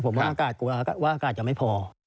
ผมว่าอากาศกลัวว่าอากาศจะไม่พอ